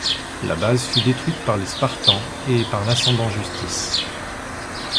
La base fut détruite par les Spartans et par l'Ascendant Justice.